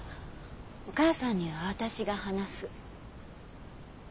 お母さんには私が話す。